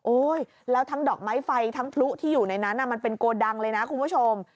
แล้วทั้งดอกไม้ไฟทั้งพลุที่อยู่ในนั้นมันเป็นโกดังเลยนะคุณผู้ชม